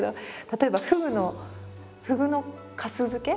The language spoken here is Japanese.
例えばフグのフグの粕漬け？